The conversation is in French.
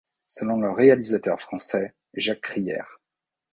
Selon le réalisateur français Jacques Krier,